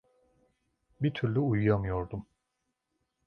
Bir türlü uyuyamıyordum.